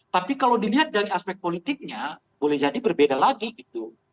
tapi kalau dilihat dari aspek politiknya boleh jadi berbeda lagi gitu